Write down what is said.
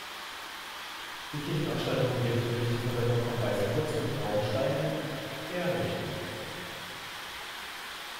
Die Kirchenausstattung wirkt durch die Verwendung von weißem Putz und grauem Stein eher nüchtern.